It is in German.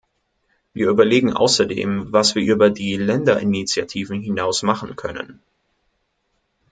Wir überlegen außerdem, was wir über die Länderinitiativen hinaus machen können.